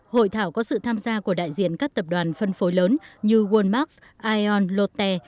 hội thảo có sự tham gia của đại diện các tập đoàn phân phối lớn như walmark ion lotte